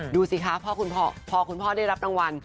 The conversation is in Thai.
ดูสิคะพ่อคุณพ่อพ่อคุณพ่อได้รับนางวัล